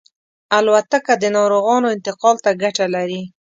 الوتکه د ناروغانو انتقال ته ګټه لري.